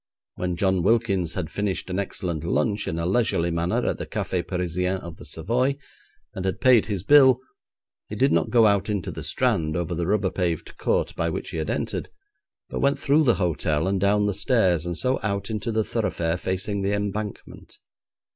When John Wilkins had finished an excellent lunch in a leisurely manner at the Café Parisien of the Savoy, and had paid his bill, he did not go out into the Strand over the rubber paved court by which he had entered, but went through the hotel and down the stairs, and so out into the thoroughfare facing the Embankment.